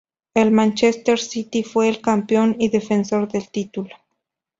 El Manchester City fue el campeón y defensor del título.